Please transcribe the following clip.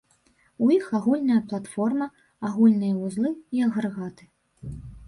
У іх агульная платформа, агульныя вузлы і агрэгаты.